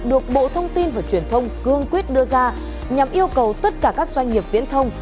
được bộ thông tin và truyền thông cương quyết đưa ra nhằm yêu cầu tất cả các doanh nghiệp viễn thông